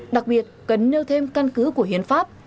đặc biệt cần nêu thêm căn cứ của hiến pháp